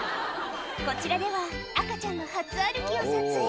こちらでは、赤ちゃんの初歩きを撮影。